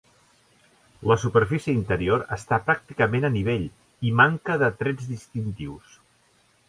La superfície interior està pràcticament a nivell i manca de trets distintius.